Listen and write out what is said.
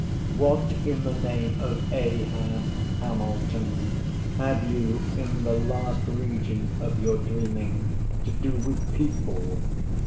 BURR What in the name of Ahab, Hamilton, Have you, in the last region of your dreaming, To do with "people"?